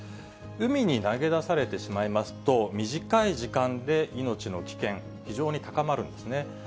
海に投げ出されてしまいますと、短い時間で命の危険、非常に高まるんですね。